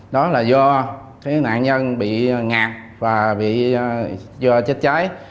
đó là do nạn nhân bị ngạt và bị do chết trái